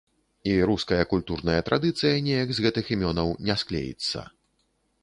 І руская культурная традыцыя неяк з гэтых імёнаў не склеіцца.